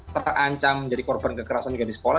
terancam menjadi korban kekerasan di sekolah